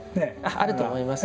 あると思います。